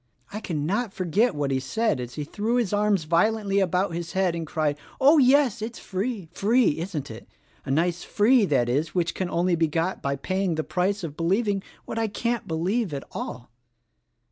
I cannot forget what he said as he threw his arms violently about his head and cried, 'Oh, yes, it's free, free, isn't it! A nice free that is which is only to be got by paying the price of believing what I can't believe at all.'